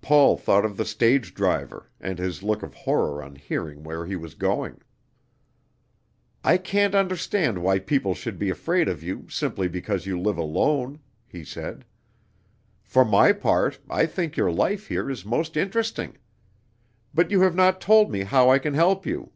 Paul thought of the stage driver, and his look of horror on hearing where he was going. "I can't understand why people should be afraid of you simply because you live alone," he said. "For my part, I think your life here is most interesting. But you have not told me how I can help you."